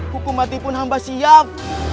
hukum mati pun hamba siap